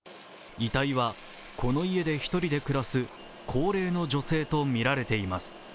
遺体はこの家で１人で暮らす高齢の女性とみられています。